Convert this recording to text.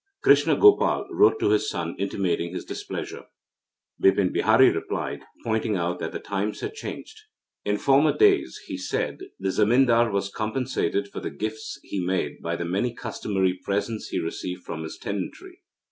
Krishna Gopal wrote to his son intimating his displeasure. Bipin Bihari replied, pointing out that the times had changed. In former days, he said, the zemindar was compensated for the gifts he made by the many customary presents he received from his tenantry.